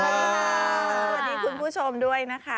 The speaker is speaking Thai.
สวัสดีคุณผู้ชมด้วยนะคะ